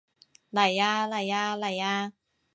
嚟吖嚟吖嚟吖